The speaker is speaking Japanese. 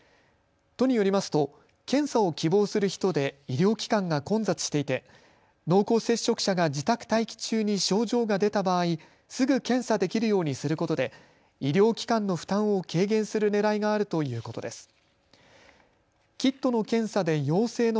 都によりますと検査を希望する人で医療機関が混雑していて濃厚接触者が自宅待機中に症状が出た場合、すぐ検査できるようにすることで医療機関の負担を軽減するねらいがあるということです。